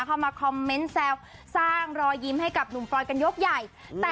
เข้ามาคอมเมนต์แซวสร้างรอยยิ้มให้กับหนุ่มฟรอยกันยกใหญ่